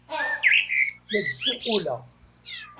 La d-ssuquleɣ.